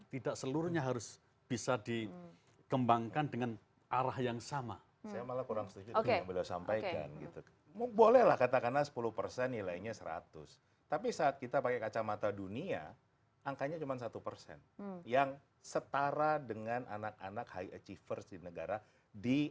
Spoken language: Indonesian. terima kasih pak menteri